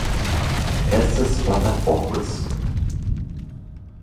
Essas plataformas